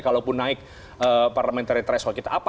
kalaupun naik parliamentary threshold kita